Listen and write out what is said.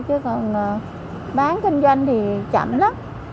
chứ còn bán kinh doanh thì chậm lắm